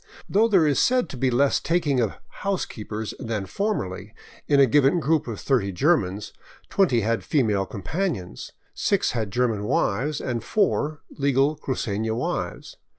Though there is said to be less taking of '' housekeepers " than formerly, in a given group of thirty Germans, twenty had female companions, six had German wives, and four, legal crucena wives.